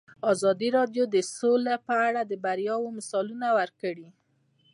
ازادي راډیو د سوله په اړه د بریاوو مثالونه ورکړي.